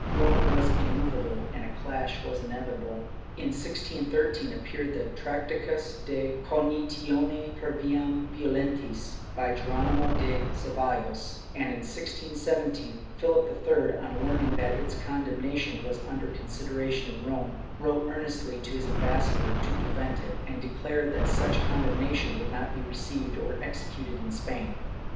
Rome was immovable, and a clash was inevitable. In 1613 appeared the "Tractatus de cognitione per viam violentise" by Geronimo de Cevallos and, in 1617, Philip III, on learning that its condemnation was under consideration in Rome, wrote earnestly to his ambassador to prevent it, and declared that such condem nation would not be received or executed in Spain.